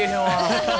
ハハハハ。